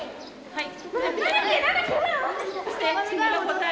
はい！